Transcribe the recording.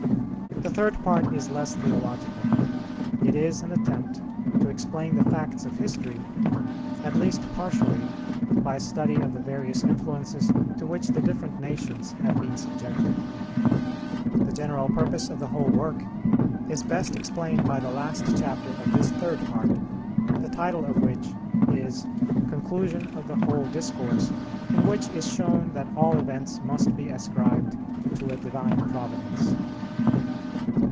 The third part is less theological. It is an attempt to explain the facts of history, at least partially, by a study of the various influences to which the different nations have been subjected. The general purpose of the whole work is best explained by the last chapter of this third part, the title of which is: Conclusion of the whole Discourse, in which is shown that all events must be ascribed to a Divine Providence.